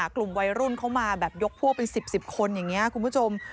กลุ่มวัยรุ่นเขามาแบบยกพวกเป็น๑๐คนอย่างนี้คุณผู้ชม